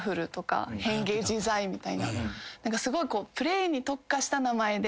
すごいプレーに特化した名前で。